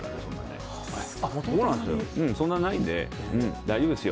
そんなないんで、大丈夫ですよ。